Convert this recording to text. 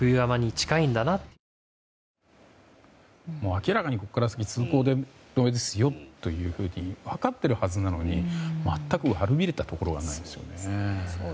明らかに、ここから先は通行止めですよというふうに分かっているはずなのに全く悪びれたところがないですよね。